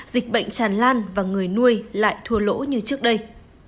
dịch bệnh tràn lan và người nuôi lại thua lỗ như trước đây